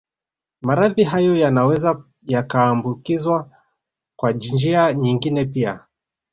Maradhi hayo yanaweza yakaambukizwa kwa njia nyingine pia